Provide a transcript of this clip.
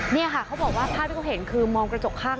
นี่ค่ะเขาบอกว่าภาพที่เขาเห็นคือมองกระจกข้าง